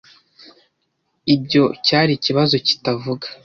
Ibyo cyari ikibazo kitavuga.